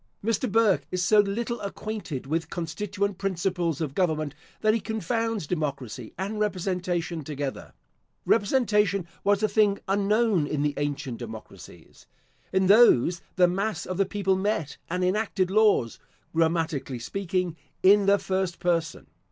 Mr. Burke is so little acquainted with constituent principles of government, that he confounds democracy and representation together. Representation was a thing unknown in the ancient democracies. In those the mass of the people met and enacted laws (grammatically speaking) in the first person.